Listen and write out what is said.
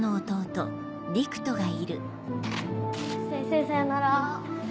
先生さようなら。